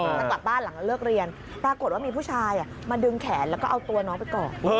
จะกลับบ้านหลังเลิกเรียนปรากฏว่ามีผู้ชายมาดึงแขนแล้วก็เอาตัวน้องไปก่อน